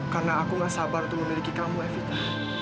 karena aku gak sabar untuk memiliki kamu evita